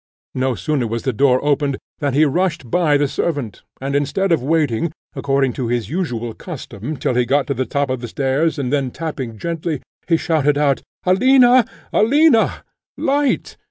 No sooner was the door opened than he rushed by the servant, and instead of waiting, according to his usual custom, till he got to the top of the stairs, and then tapping gently, he shouted out, "Alina! Alina! light!"